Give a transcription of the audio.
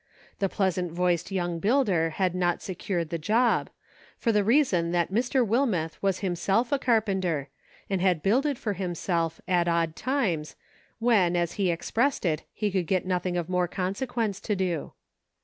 The pleasant voiced young builder had not secured the job, for the reason that Mr. Wilmeth was himself a carpenter, and had builded for himself at odd times when, as he expressed it, he could get nothing of more con sequence to do.